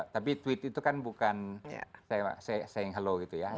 tapi tweet itu kan bukan sayang halo gitu ya